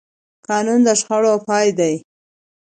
قانون د شخړو پای دی